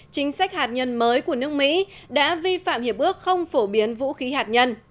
chính sách hạt nhân mới của nước mỹ đã vi phạm hiệp ước không phổ biến vũ khí hạt nhân